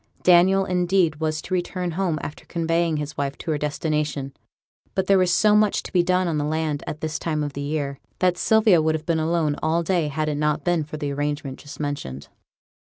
Daniel, indeed, was to return home after conveying his wife to her destination; but there was so much to be done on the land at this time of the year, that Sylvia would have been alone all day had it not been for the arrangement just mentioned.